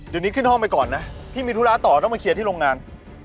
เดี๋ยวนี้ขึ้นห้องไปก่อนนะพี่มีธุระต่อต้องมาเคลียร์ที่โรงงาน